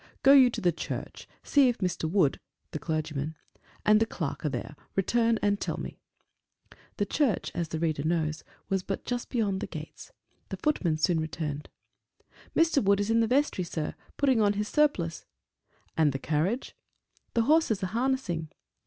"Go you to the church; see if Mr. Wood" (the clergyman) "and the clerk are there; return and tell me." The church, as the reader knows, was but just beyond the gates; the footman soon returned. "Mr. Wood is in the vestry, sir, putting on his surplice." "And the carriage?" "The horses are harnessing."